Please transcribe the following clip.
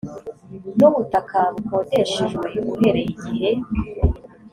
n ubutaka bukodeshejwe uhereye igihe